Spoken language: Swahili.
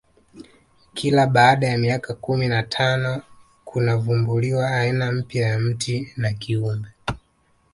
kila baada ya miaka kumi na tano kunavumbuliwa aina mpya ya mti na kiumbe